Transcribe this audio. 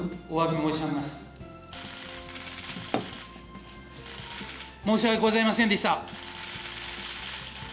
申し訳ございませんでした。